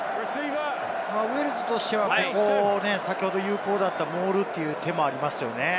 ウェールズとしては先ほど有効だったモールという手もありますよね。